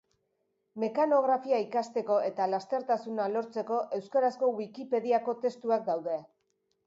Mekanografia ikasteko eta lastertasuna lortzeko euskarazko Wikipediako testuak daude.